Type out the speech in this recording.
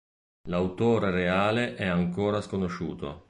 L'autore reale è ancora sconosciuto.